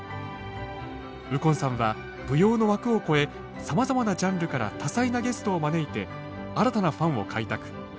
右近さんは舞踊の枠を超えさまざまなジャンルから多彩なゲストを招いて新たなファンを開拓。